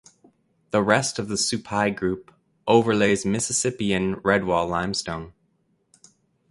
The rest of the Supai Group overlays Mississippian Redwall Limestone.